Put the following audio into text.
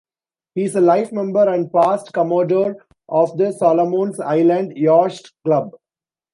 He is a life member and past commodore of the Solomons Island Yacht Club.